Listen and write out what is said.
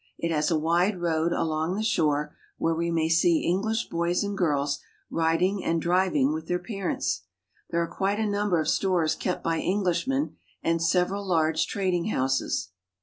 f It has a wide road along the shore, where we may see L English boys and girls riding and driving with their parents. There are quite a number of stores kept by Englishmen and several large trading houses.